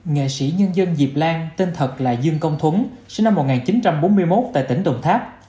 nghệ sĩ nhân dân diệp lan tên thật là dương công thúng sinh năm một nghìn chín trăm bốn mươi một tại tỉnh đồng tháp